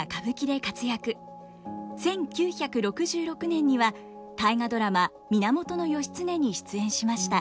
１９６６年には「大河ドラマ源義経」に出演しました。